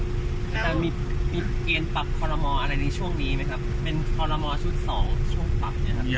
แล้วมีเกณฑ์ปรับคอลโนโมรอะไรเนี้ยช่วงนี้มั้ยครับเป็นคอลโนโมรชุดสองช่วงปรับใช่ไหมครับ